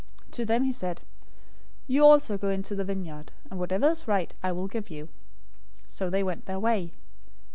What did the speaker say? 020:004 To them he said, 'You also go into the vineyard, and whatever is right I will give you.' So they went their way.